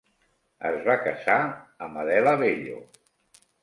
Es va casar amb Adela Bello.